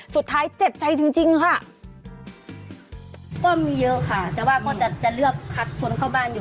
เจ็บใจจริงจริงค่ะก็มีเยอะค่ะแต่ว่าก็จะจะเลือกคัดคนเข้าบ้านอยู่